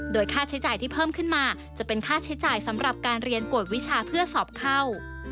โดยค่าใช้จ่ายที่เพิ่มขึ้นมาจะเป็นค่าใช้จ่ายสำหรับการเรียนกวดวิชาเพื่อสอบเข้า